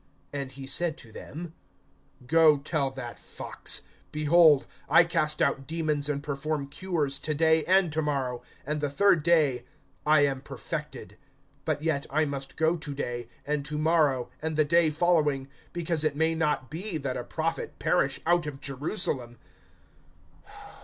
(32)And he said to them: Go, tell that fox, Behold, I cast out demons and perform cures to day and to morrow, and the third day I am perfected. (33)But yet, I must go to day, and to morrow, and the day following; because it may not be that a prophet perish out of Jerusalem.